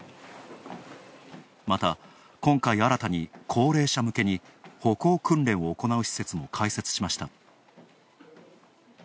また、今回、新たに高齢者向けに歩行訓練を行う施設も開設しました。